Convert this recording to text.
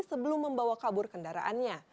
sebelum membawa kabur kendaraannya